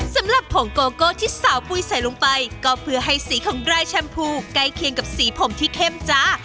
สำหรับผงโกโก้ที่สาวปุ้ยใส่ลงไปก็เพื่อให้สีของรายแชมพูใกล้เคียงกับสีผมที่เข้มจ้า